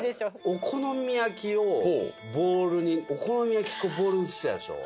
お好み焼きをボウルにお好み焼き粉ボウルに移してたでしょ？